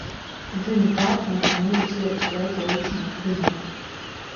Dzimis Baltimorā mūzikas ierakstu veikala īpašnieka ģimenē.